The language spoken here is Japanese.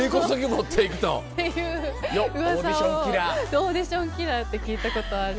オーディションキラーって聞いたことある。